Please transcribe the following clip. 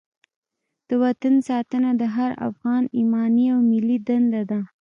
د وطن ساتنه د هر افغان ایماني او ملي دنده ده.